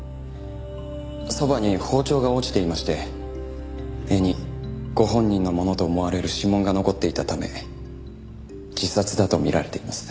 そばに包丁が落ちていまして柄にご本人のものと思われる指紋が残っていたため自殺だと見られています。